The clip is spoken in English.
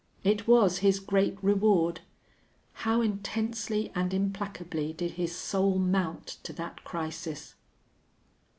It was his great reward. How intensely and implacably did his soul mount to that crisis!